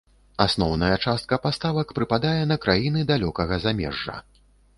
Асноўная частка паставак прыпадае на краіны далёкага замежжа.